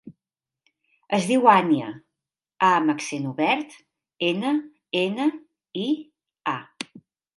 Es diu Ànnia: a amb accent obert, ena, ena, i, a.